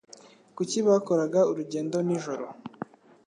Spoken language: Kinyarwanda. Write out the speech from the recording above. Kuki bakoraga urugendo nijoro